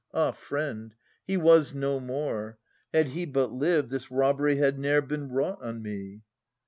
Ah, friend, he was no more. Had he but Uved, This robbery had ne'er been wrought on me.